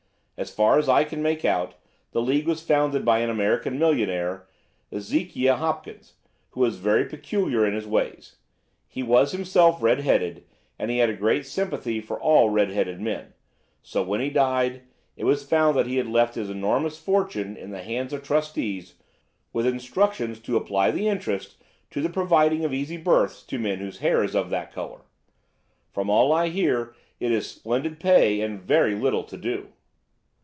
As far as I can make out, the League was founded by an American millionaire, Ezekiah Hopkins, who was very peculiar in his ways. He was himself red headed, and he had a great sympathy for all red headed men; so, when he died, it was found that he had left his enormous fortune in the hands of trustees, with instructions to apply the interest to the providing of easy berths to men whose hair is of that colour. From all I hear it is splendid pay and very little to do.